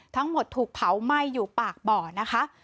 ทั้งหมดถูกเผาไหม้อยู่ปากบ่อนะคะ